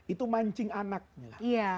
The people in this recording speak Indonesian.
itu mancing anaknya